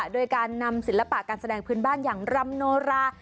โดยการนำศิลปะการแสดงพื้นบ้านอย่างรำโนรา